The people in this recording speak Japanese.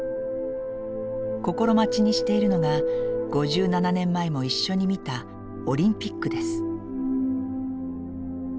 心待ちにしているのが５７年前も一緒に見たオリンピックです。